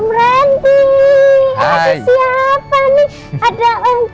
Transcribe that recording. terima kasih pak